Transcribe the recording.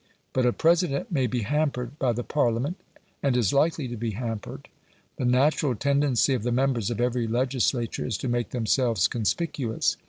But a President may be hampered by the Parliament, and is likely to be hampered. The natural tendency of the members of every legislature is to make themselves conspicuous.